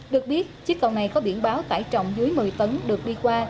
được biết chiếc cầu này có biển báo tải trọng dưới một mươi tấn được đi qua